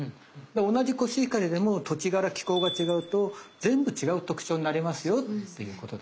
同じコシヒカリでも土地柄気候が違うと全部違う特徴になりますよっていうことです。